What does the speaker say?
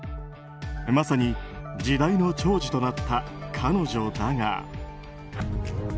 まさに時代の寵児となった彼女だが。